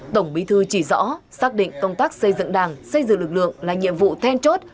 tổng bí thư chỉ rõ xác định công tác xây dựng đảng xây dựng lực lượng là nhiệm vụ then chốt